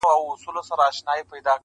ځمه ويدېږم ستا له ياده سره شپې نه كوم.